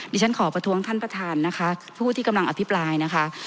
ฉันขอประท้วงท่านประธานนะคะผู้ที่กำลังอภิปรายนะคะ